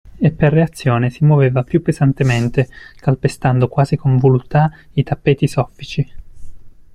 E per reazione si muoveva più pesantemente calpestando quasi con voluttà i tappeti soffici.